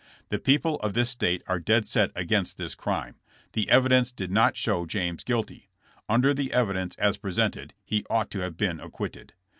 The people of this state are dead set against this crime. The evidence did not show James guilty. Under the evi dence as presented he ought to have been acquitted.